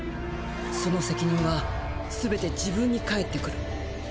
その責任はすべて自分に返ってくる。